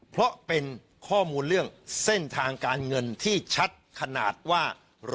เพราะเป็นข้อมูลเรื่องเส้นทางการเงินที่ชัดขนาดว่า